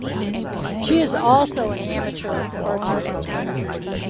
She is also an amateur artist.